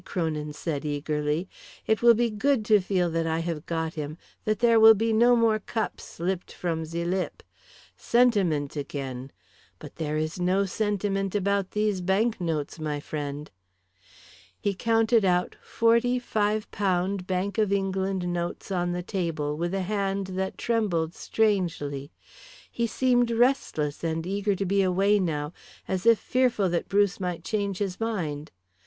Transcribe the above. Kronin said eagerly. "It will be good to feel that I have got him, that there will be no more cups slipped from ze lip. Sentiment again! But there is no sentiment about these banknotes, my friend." He counted out forty £5 Bank of England notes on the table with a hand that trembled strangely. He seemed restless and eager to be away now, as if fearful that Bruce might change his mind.